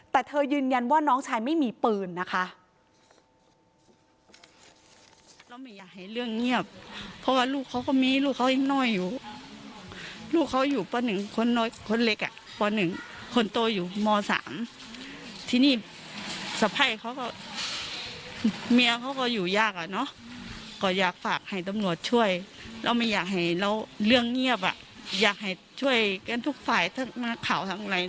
แต่เธอยืนยันว่าน้องชายไม่มีปืนนะคะ